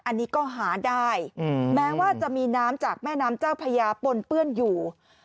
อันนี้ก็หาได้แม้ว่าจะมีน้ำจากแม่น้ำเจ้าพญาปนเปื้อนอยู่